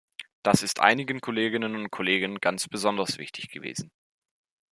Das ist einigen Kolleginnen und Kollegen ganz besonders wichtig gewesen.